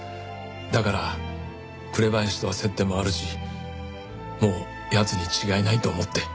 だから紅林とは接点もあるしもう奴に違いないと思って。